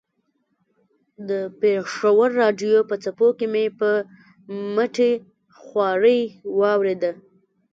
د پېښور راډیو په څپو کې مې په مټې خوارۍ واورېده.